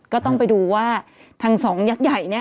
ก็ต้องไปดูว่าทั้งสองยักษ์ใหญ่เนี่ย